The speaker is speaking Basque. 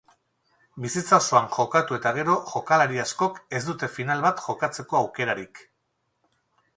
Bizitza osoan jokatu eta gero jokalari askok ez dute final bat jokatzeko aukerarik.